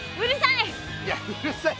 うるさい！